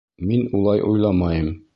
— Мин улай уйламайым.